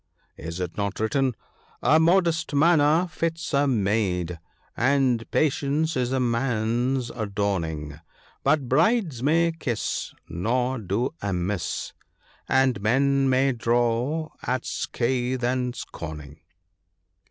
Is it not written —" A modest manner fits a maid, And patience is a man's adorning ; But brides may kiss, nor do amiss, And men may draw, at scathe and scorning."